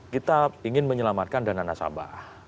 kita ingin menyelamatkan dana nasabah